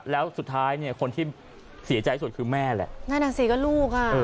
แล้วสุดท้ายเนี่ยคนที่เสียใจสุดคือแม่แหละนั่นอ่ะสิก็ลูกอ่ะ